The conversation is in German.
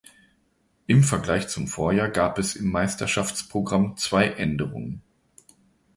Im Vergleich zum Vorjahr gab es im Meisterschaftsprogramm zwei Änderungen.